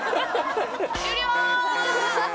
終了！